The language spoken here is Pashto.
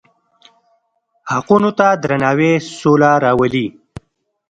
حقونو ته درناوی سوله راولي.